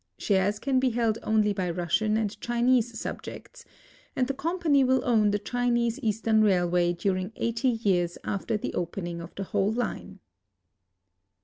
Shares can be held only by Russian and Chinese subjects, and the company will own the Chinese Eastern Rail wa}' during eighty years after the opening of the whole line.